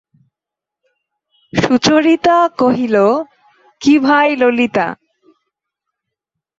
সুচরিতা কহিল, কী ভাই ললিতা!